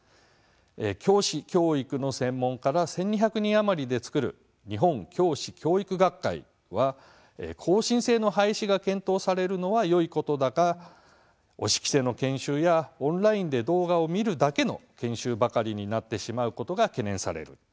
教師教育の専門家らおよそ１２００人でつくる日本教師教育学会は「更新制の廃止が検討されるのはよいことだが、お仕着せの研修やオンラインで動画を見るだけの研修ばかりになってしまうことが懸念される。